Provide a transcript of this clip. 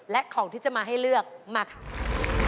และของที่จะมาให้เลือกมาค่ะ